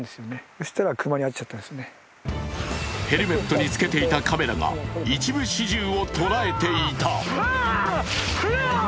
ヘルメットにつけていたカメラが一部始終を捉えていた。